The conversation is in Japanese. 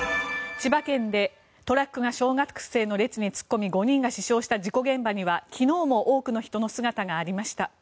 千葉県でトラックが小学生の列に突っ込み５人が死傷した事故現場には昨日も多くの人の姿がありました。